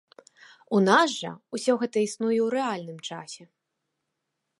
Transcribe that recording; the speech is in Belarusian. У нас жа ўсё гэта існуе ў рэальным часе.